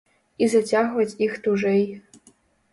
І зацягваць іх тужэй.